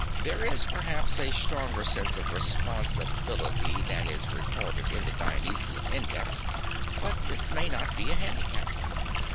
There is, perhaps, a stronger sense of responsibility than is recorded in the Dionysian index, but this may not be a handicap."